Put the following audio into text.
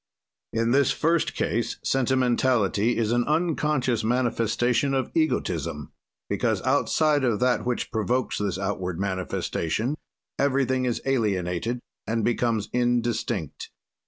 "In this first case sentimentality is an unconscious manifestation of egotism, because, outside of that which provokes this outward manifestation, everything is alienated and becomes indistinct.